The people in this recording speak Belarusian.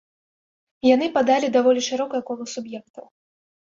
Яны падалі даволі шырокае кола суб'ектаў.